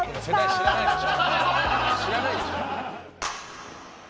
知らないでしょ？